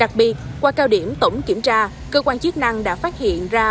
đặc biệt qua cao điểm tổng kiểm tra cơ quan chức năng đã phát hiện ra